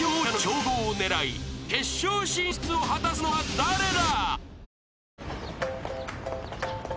最強王者の称号を狙い決勝進出を果たすのは誰だ！？